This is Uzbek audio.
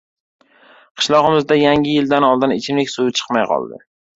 Qishlogʻimizda Yangi yildan oldin ichimlik suvi chiqmay qoldi.